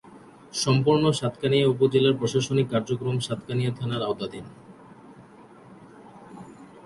সম্পূর্ণ সাতকানিয়া উপজেলার প্রশাসনিক কার্যক্রম সাতকানিয়া থানার আওতাধীন।